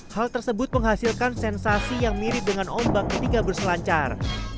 hal tersebut menghasilkan sensasi yang mirip dengan ombak ketika berselancar